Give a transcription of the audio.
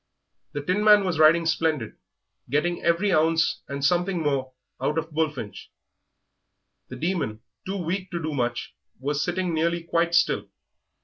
The Tinman was riding splendid, getting every ounce and something more out of Bullfinch. The Demon, too weak to do much, was sitting nearly quite still.